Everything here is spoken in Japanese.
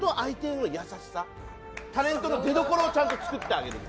タレントの出どころをちゃんと作ってあげるっていう。